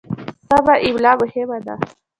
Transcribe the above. سمه املا مهمه ده.